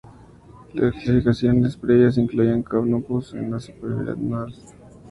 Clasificaciones previas incluían "Canopus" en la superfamilia Nodosarioidea.